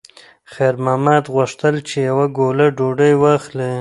خیر محمد غوښتل چې یوه ګوله ډوډۍ واخلي.